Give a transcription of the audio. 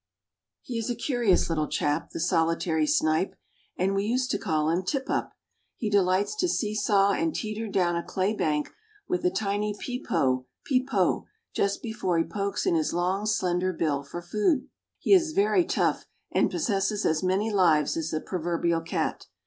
He is a curious little chap, the Solitary Snipe, and we used to call him Tip up. He delights to "see saw" and "teeter" down a clay bank, with a tiny "peep po," "peep po," just before he pokes in his long, slender bill for food. He is very tough, and possesses as many lives as the proverbial cat.